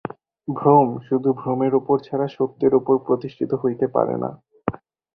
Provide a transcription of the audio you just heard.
ভ্রম শুধু ভ্রমের উপর ছাড়া সত্যের উপর প্রতিষ্ঠিত হইতে পারে না।